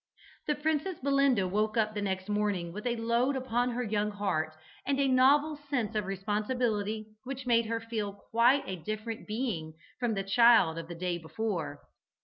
The Princess Belinda woke next morning with a load upon her young heart, and a novel sense of responsibility which made her feel quite a different being from the child of the day before.